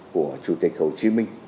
của chủ tịch hồ chí minh